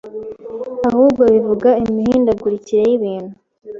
ahubwo bivuga imihindagurikire y’ibintu